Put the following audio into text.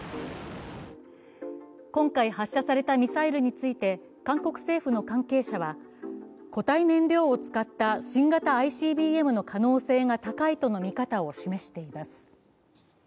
今回発射されたミサイルについて韓国政府の関係者は固体燃料を使った新型ＩＣＢＭの可能性が高いとの見方を示しています。